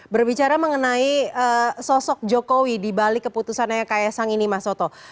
berbicara mengenai sosok jokowi dibalik keputusan yang kaya sang ini mas soto